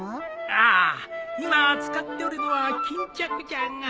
ああ今使っておるのは巾着じゃが。